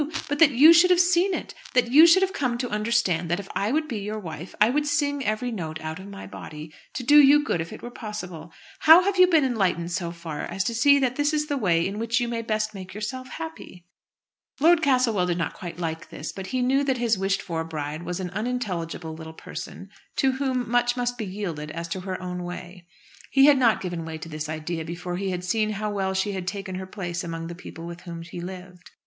But that you should have seen it, that you should have come to understand that if I would be your wife I would sing every note out of my body, to do you good if it were possible. How have you been enlightened so far as to see that this is the way in which you may best make yourself happy?" Lord Castlewell did not quite like this; but he knew that his wished for bride was an unintelligible little person, to whom much must be yielded as to her own way. He had not given way to this idea before he had seen how well she had taken her place among the people with whom he lived.